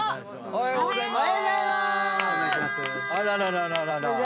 おはようございます。